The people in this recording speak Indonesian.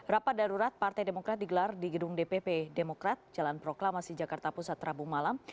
rapat darurat partai demokrat digelar di gedung dpp demokrat jalan proklamasi jakarta pusat rabu malam